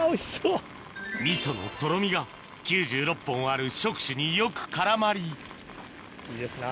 味噌のトロミが９６本ある触手によく絡まりいいですなぁ。